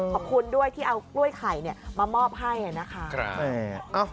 ขอบคุณด้วยที่เอากล้วยไข่มามอบให้นะคะ